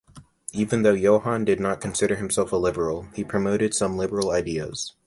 Even though Johann did not consider himself a liberal, he promoted some liberal ideas.